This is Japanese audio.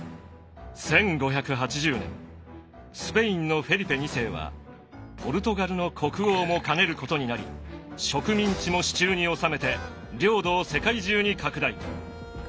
スペインのフェリペ二世はポルトガルの国王も兼ねることになり植民地も手中に収めて領土を世界中に拡大。